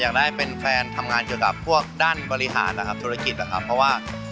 อยากได้เป็นแฟนทำงานเกี่ยวกับพวกด้านบริหารนะครับธุรกิจนะครับเพราะว่า